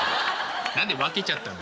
何で分けちゃったんだねえ。